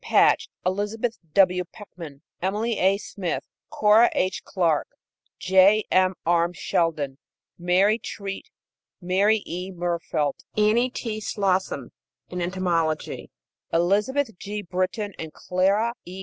Patch, Elizabeth W. Peckham, Emily A. Smith, Cora H. Clarke, J. M. Arms Sheldon, Mary Treat, Mary E. Murfeldt, Annie T. Slosson in entomology; Elizabeth G. Britton and Clara E.